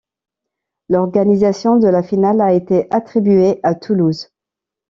L'organisation de la finale a été attribuée à Toulouse.